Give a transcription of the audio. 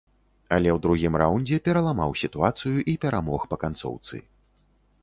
Але ў другім раўндзе пераламаў сітуацыю і перамог па канцоўцы.